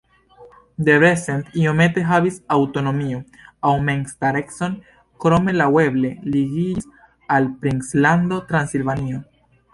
Debrecen iomete havis aŭtonomion aŭ memstarecon, krome laŭeble ligiĝis al princlando Transilvanio.